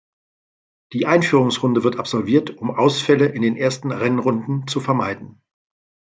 Die Einführungsrunde wird absolviert, um Ausfälle in den ersten Rennrunden zu vermeiden.